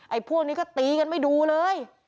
พวกนี้ก็ตีกันไม่ดูเลย